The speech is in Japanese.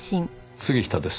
杉下です。